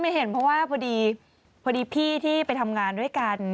เห็นเพราะว่าพอดีพี่ที่ไปทำงานด้วยกัน